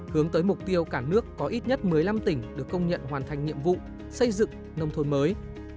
hướng tới mục tiêu cả nước có ít nhất một mươi năm tỉnh được công nhận hoàn thành nhiệm vụ xây dựng nông thôn mới